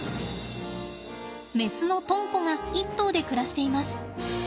メスのとんこが一頭で暮らしています。